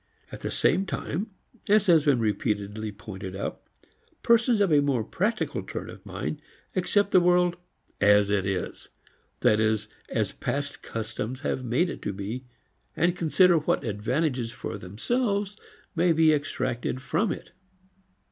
At the same time, as has been repeatedly pointed out, persons of a more practical turn of mind accept the world "as it is," that is as past customs have made it to be, and consider what advantages for themselves may be extracted from it.